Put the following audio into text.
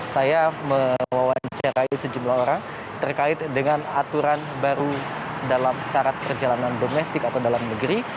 saya mewawancarai sejumlah orang terkait dengan aturan baru dalam syarat perjalanan domestik atau dalam negeri